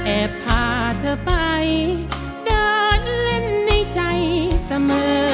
พาเธอไปเดินเล่นในใจเสมอ